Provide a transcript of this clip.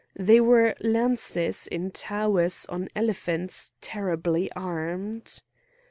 They were lances in towers on elephants terribly armed.